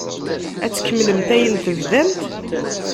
Ad tkemmlemt ayen tebdamt?